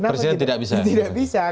presiden tidak bisa